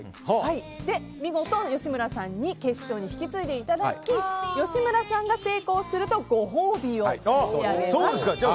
見事、吉村さんに決勝に引き継いでいただき吉村さんが成功するとご褒美を差し上げます。